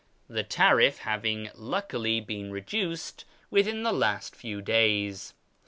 the tariff having luckily been reduced within the last few days.